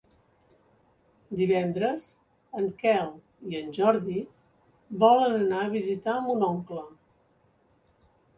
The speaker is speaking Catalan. Divendres en Quel i en Jordi volen anar a visitar mon oncle.